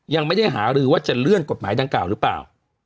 ยังไม่ได้หารือว่าจะเลื่อนกฎหมายดังกล่าวหรือเปล่า